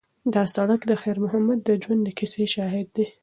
دا سړک د خیر محمد د ژوند د کیسې شاهد دی.